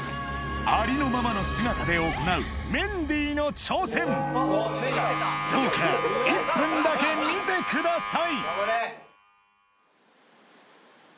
ありのままの姿で行うメンディーの挑戦どうか１分だけ見てください